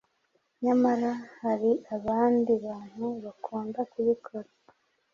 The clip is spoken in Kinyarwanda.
Nyamara hari abandi bantu bakunda kubikora.